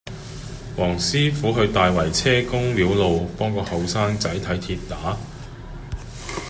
黃師傅去大圍車公廟路幫個後生仔睇跌打